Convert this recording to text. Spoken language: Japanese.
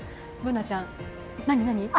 Ｂｏｏｎａちゃん、何、何？